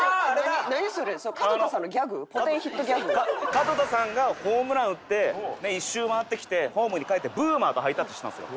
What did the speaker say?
門田さんがホームラン打って１周回ってきてホームにかえってブーマーとハイタッチしたんですよ。